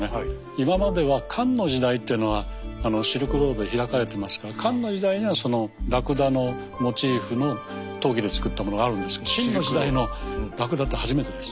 今までは漢の時代っていうのはシルクロード開かれてますから漢の時代にはラクダのモチーフの陶器でつくったものがあるんですけど秦の時代のラクダって初めてです。